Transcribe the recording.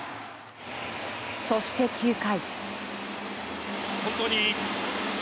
そして９回。